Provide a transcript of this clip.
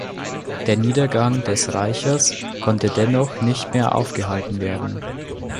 Der Niedergang des Reiches konnte dennoch nicht mehr aufgehalten werden.